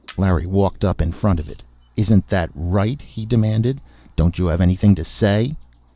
Larry walked up in front of it. "Isn't that right?" he demanded. "Don't you have anything to say?"